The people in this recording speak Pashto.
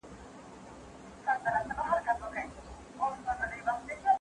د اروپا کلتور له مسيحيت څخه اغېزمن دی.